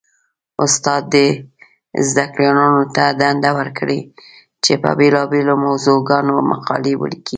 استاد دې زده کړيالانو ته دنده ورکړي؛ چې په بېلابېلو موضوعګانو مقالې وليکي.